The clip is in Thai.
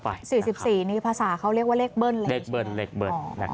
อ๋ออายุ๔๔นี่ภาษาเขาเรียกว่าเล็กเบิ้ลเล็กเบิ้ลเล็กเบิ้ล